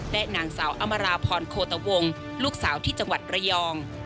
และนางสาวอมราพรโคตวงลูกสาวที่จังหวัดระยอง